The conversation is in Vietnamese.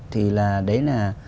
thì là đấy là